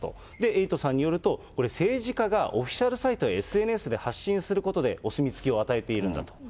エイトさんによると、これ、政治家がオフィシャルサイトやＳＮＳで発信することで、お墨付きを与えているんだと。